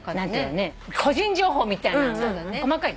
個人情報みたいな細かい。